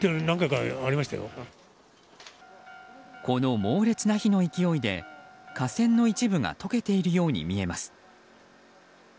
この猛烈な火の勢いで架線の一部が溶けているように見えます。